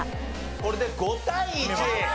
これで５対１。